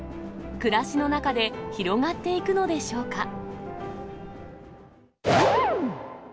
暮らしの中で広がっていくのでしょうか。